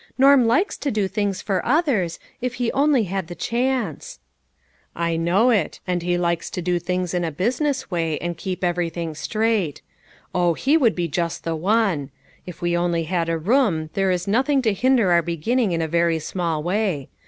Norm likes to do things for others, if he only had the chance." " I know it ; and he likes to do things in a business way, and keep everything straight. Oh ! he would be just the one. If we only had a room, there is nothing to hinder our beginning in a very small way.